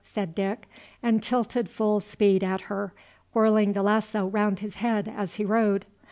said Dick, and tilted full speed at her, whirling the lasso round his head as he rode.